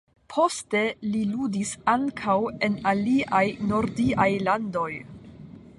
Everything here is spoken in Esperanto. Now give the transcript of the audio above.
Poste li ludis ankaŭ en aliaj nordiaj landoj.